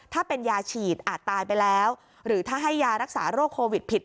ถ้าเป็นยาฉีดอาจตายไปแล้วหรือถ้าให้ยารักษาโรคโควิดผิด